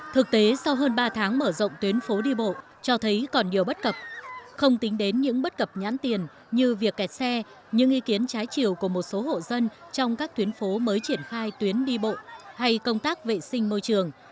thực tế sau hơn ba tháng mở rộng tuyến phố đi bộ cho thấy còn nhiều bất cập không tính đến những bất cập nhãn tiền như việc kẹt xe những ý kiến trái chiều của một số hộ dân trong các tuyến phố mới triển khai tuyến đi bộ hay công tác vệ sinh môi trường